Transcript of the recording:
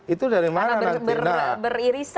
itu dari mana nanti